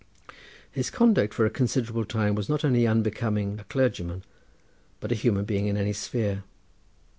His conduct for a considerable time was not only unbecoming a clergyman but a human being in any sphere.